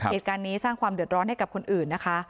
เหตุการณ์นี้สร้างความเดือดร้อนให้กับคนอื่นนะคะ